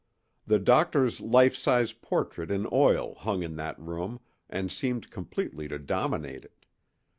The doctor's life size portrait in oil hung in that room, and seemed completely to dominate it.